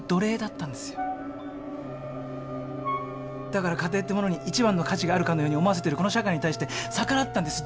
だから家庭ってものに一番の価値があるかのように思わせてるこの社会に対して逆らったんです。